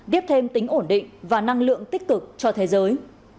tiếp thêm tính ổn định và năng lượng tích cực cho thế giới